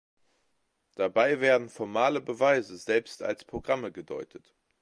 Dabei werden formale Beweise selbst als Programme gedeutet.